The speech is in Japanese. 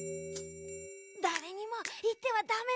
だれにもいってはダメなのだ。